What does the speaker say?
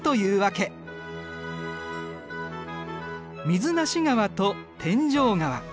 水無川と天井川。